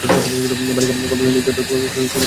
বালিকা গল্প শুনাইতে যত উৎসুক, শুনিতে তত নহে।